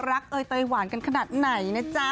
เอยเตยหวานกันขนาดไหนนะจ๊ะ